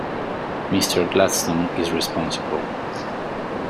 Mr Gladstone is responsible.